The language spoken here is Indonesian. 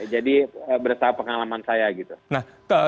jadi berdasarkan pengalaman saya